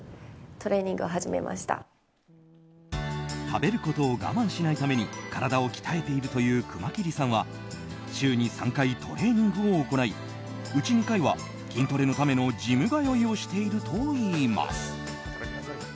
食べることを我慢しないために体を鍛えているという熊切さんは週に３回トレーニングを行いうち２回は筋トレのためのジム通いをしているといいます。